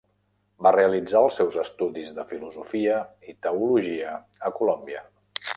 Va realitzar els seus estudis de filosofia i teologia a Colòmbia.